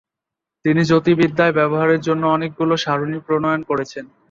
তিনি জ্যোতির্বিদ্যায় ব্যবহারের জন্য অনেকগুলো সারণী প্রণয়ন করেছেন।